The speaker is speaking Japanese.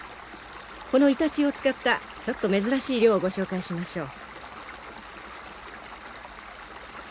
このイタチを使ったちょっと珍しい漁をご紹介しましょう。